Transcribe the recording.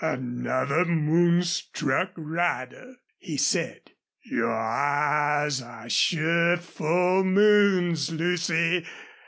"Another moonstruck rider!" he said. "Your eyes are sure full moons, Lucy.